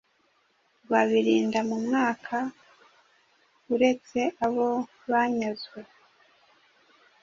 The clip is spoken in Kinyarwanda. Rwabilinda mu mwaka .Uretse abo banyazwe